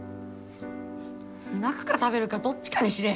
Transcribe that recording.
泣くか食べるかどっちかにしれ。